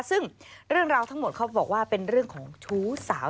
ซึ่งเรื่องราวทั้งหมดเขาบอกว่าเป็นเรื่องของชู้สาว